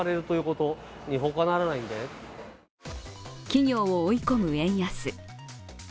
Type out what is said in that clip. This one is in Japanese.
企業を追い込む円安。